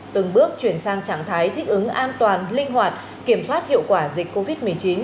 từng bước chuyển sang trạng thái thích ứng an toàn linh hoạt kiểm soát hiệu quả dịch covid một mươi chín